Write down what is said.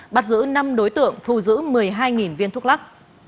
bắt giữ năm đối tượng thu giữ một mươi hai viên thuốc lắc